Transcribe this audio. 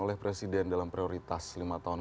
oleh presiden dalam prioritas lima tahun